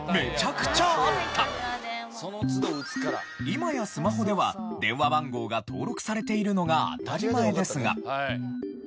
今やスマホでは電話番号が登録されているのが当たり前ですが。